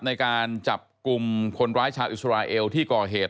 ในการจับกลุ่มคนร้ายชาวอิสราเอลที่ก่อเหตุ